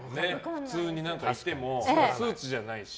普通にいてもスーツじゃないし。